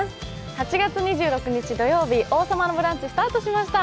８月２６日、土曜日「王様のブランチ」、スタートしました。